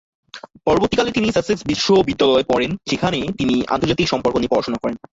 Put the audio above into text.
পরবর্তীকালে তিনি সাসেক্স বিশ্ববিদ্যালয়ে পড়েন, যেখানে তিনি আন্তর্জাতিক সম্পর্ক নিয়ে পড়াশোনা করেন।